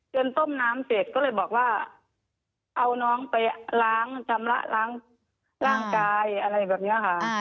ต้มน้ำเสร็จก็เลยบอกว่าเอาน้องไปล้างชำระล้างร่างกายอะไรแบบนี้ค่ะ